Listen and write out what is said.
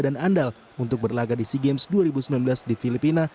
dan andal untuk berlagak di sea games dua ribu sembilan belas di filipina